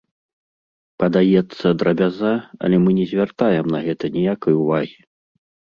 Падаецца, драбяза, але мы не звяртаем на гэта ніякай увагі.